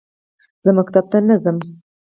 زه مکتب ته نه ځم